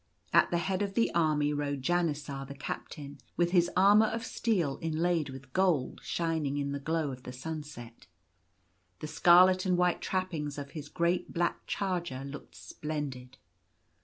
At the head of the army rode Janisar, the captain, with his armour of steel inlaid with gold shining in the glow of the sunset. The scarlet and white trappings of his great black charger looked splendid.